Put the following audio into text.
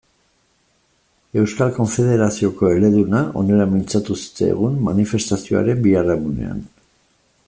Euskal Konfederazioko eleduna honela mintzatu zitzaigun manifestazioaren biharamunean.